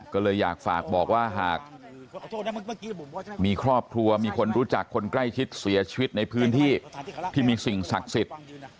ก็เลยอยากฝากบอกว่าหากมีครอบครัวมีคนรู้จักคนใกล้ชิดเสียชีวิตในพื้นที่ที่มีสิ่งศักดิ์สิทธิ์